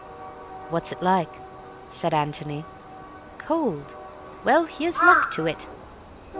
"What's it like?" said Antony. "Cold. Well, here's luck to it."